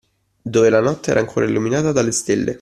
Dove la notte era ancora illuminata dalle stelle.